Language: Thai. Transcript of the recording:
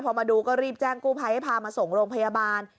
พอมาดูก็รีบแจ้งกู้ภัยให้พามาส่งโรงพยาบาล